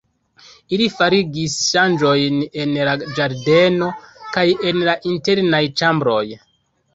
Ili farigis ŝanĝojn en la ĝardeno kaj en la internaj ĉambroj.